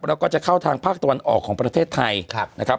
แล้วก็จะเข้าทางภาคตะวันออกของประเทศไทยนะครับ